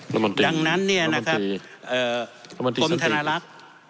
รมฤติดังนั้นเนี่ยนะครับเอ่อคุณธนรัก